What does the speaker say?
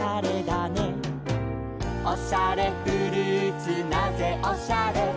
「おしゃれフルーツなぜおしゃれ」